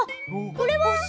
これは？